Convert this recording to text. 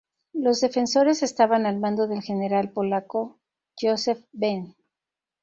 Los defensores estaban al mando del general polaco Józef Bem.